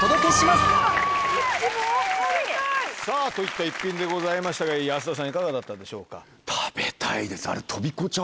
・といった一品でございましたが安田さんいかがだったでしょうか？